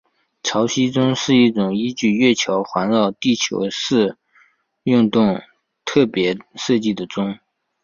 潮汐钟是一种依据月球环绕地球的视运动特别设计的钟。